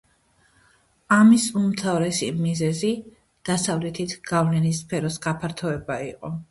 ამის უმთავრესი მიზეზი დასავლეთით გავლენის სფეროს გაფართოება იყო.